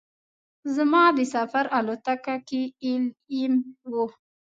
زما د سفر الوتکه کې ایل ایم وه.